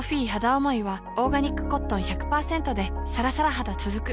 おもいはオーガニックコットン １００％ でさらさら肌つづく